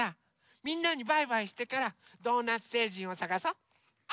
みんなにバイバイしてからドーナツせいじんをさがそう。